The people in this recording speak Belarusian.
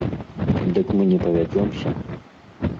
Дык мы не павядзёмся.